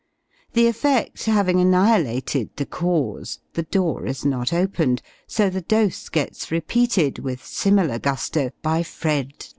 The effect having annihilated the cause, the door is not opened; so the dose gets repeated, with similar gusto, by Fred.